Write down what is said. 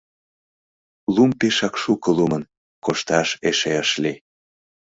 Лум пешак шуко лумын, кошташ эше ыш лий.